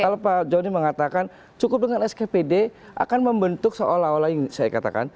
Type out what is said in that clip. kalau pak joni mengatakan cukup dengan skpd akan membentuk seolah olah yang saya katakan